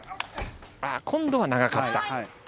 あー、今度は長かった。